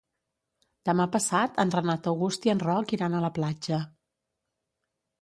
Demà passat en Renat August i en Roc iran a la platja.